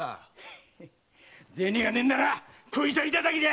銭がねえんならこいつはいただきだ！